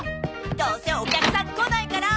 どうせお客さん来ないから。